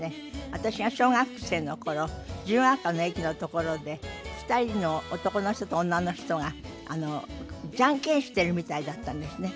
私が小学生の頃自由が丘の駅のところで２人の男の人と女の人がジャンケンしているみたいだったんですね。